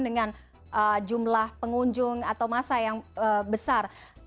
dengan jumlah pengunjung atau masa yang besar